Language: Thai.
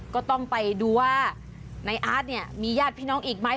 ก็ต้องไปดูว่าในอาร์ตเนี่ยมีญาติพี่น้องอีกไหม